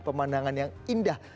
pemandangan yang indah